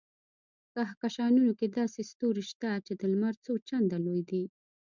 په کهکشانونو کې داسې ستوري شته چې د لمر څو چنده لوی دي.